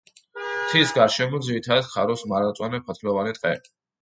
მთის გარშემო ძირითადად ხარობს მარადმწვანე ფოთლოვანი ტყე.